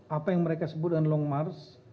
apa yang mereka sebut dengan long march